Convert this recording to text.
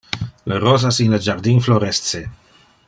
Le rosas in le jardin floresce.